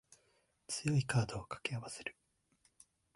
強いカードを掛け合わせる